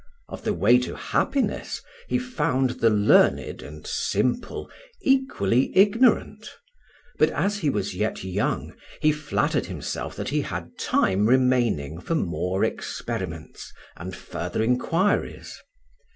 Of the way to happiness he found the learned and simple equally ignorant; but as he was yet young, he flattered himself that he had time remaining for more experiments and further inquiries.